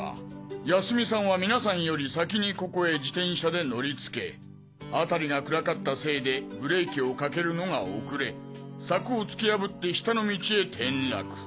泰美さんは皆さんより先にここへ自転車で乗りつけ辺りが暗かったせいでブレーキをかけるのが遅れ柵を突き破って下の道へ転落。